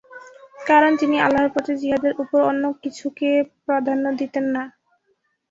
কারণ তিনি আল্লাহর পথে জিহাদের উপর অন্য কোন কিছুকে প্রাধান্য দিতেন না।